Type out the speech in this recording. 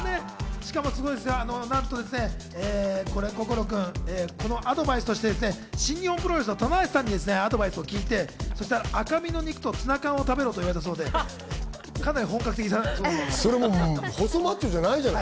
しかもなんと心君、このアドバイスとして新日本プロレスの棚橋さんにアドバイスを聞いて赤身の肉とツナ缶を食べろと言われたそうで、それ細マッチョじゃないじゃない。